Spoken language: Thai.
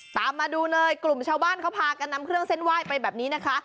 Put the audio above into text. ตามมาดูเลยกลุ่มชาวบ้านเขาพากันนำเครื่องเส้นไหว้ไปแบบนี้นะคะ